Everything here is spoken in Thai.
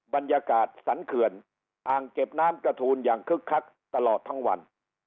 บรรยากาศสรรเขื่อนอ่างเก็บน้ำกระทูลอย่างคึกคักตลอดทั้งวัน